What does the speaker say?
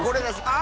あ！